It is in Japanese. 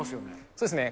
そうですね。